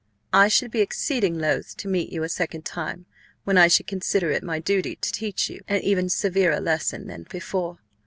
I should be Exceeding loth to meet You a Second Time, when I should consider it my Duty to teach You an even severer Lesson than Before.